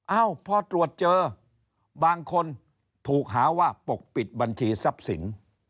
เอ้าพอตรวจเจอบางคนถูกหาว่าปกปิดบัญชีทรัพย์สิน